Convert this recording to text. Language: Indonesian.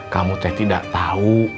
kamu teh tidak tahu